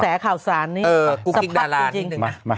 กระแสข่าวสารนี้สะพัดกุกกิ๊กดาลาดนิดนึงนะ